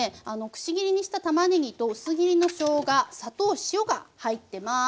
くし切りにしたたまねぎと薄切りのしょうが砂糖塩が入ってます。